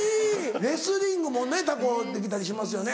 レスリングもねたこできたりしますよね。